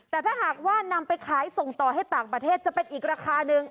แต่ถ้าหากว่านำไปขายส่งต่อให้ต่างประเทศจะเป็นอีกราคาหนึ่ง